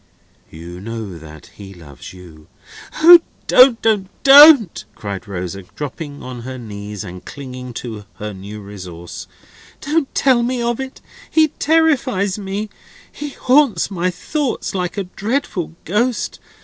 "You know that he loves you?" "O, don't, don't, don't!" cried Rosa, dropping on her knees, and clinging to her new resource. "Don't tell me of it! He terrifies me. He haunts my thoughts, like a dreadful ghost.